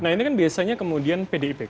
nah ini kan biasanya kemudian pdip